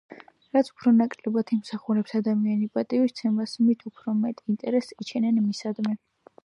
რაც უფრო ნაკლებად იმსახურებს ადამიანი პატივისცემას, მით უფრო მეტ ინტერესს იჩენენ მისდამი